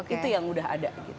itu yang udah ada